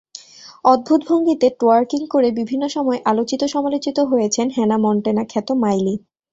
অদ্ভুত ভঙ্গিতে টোয়ার্কিং করে বিভিন্ন সময় আলোচিত-সমালোচিত হয়েছেন হ্যানা মন্টেনাখ্যাত মাইলি।